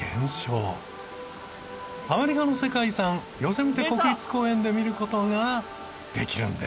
アメリカの世界遺産ヨセミテ国立公園で見る事ができるんです。